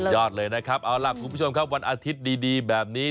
ยอดเลยนะครับเอาล่ะคุณผู้ชมครับวันอาทิตย์ดีแบบนี้